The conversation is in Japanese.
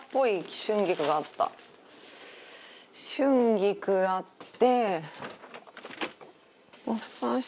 春菊あって。